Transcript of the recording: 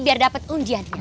biar dapat undiannya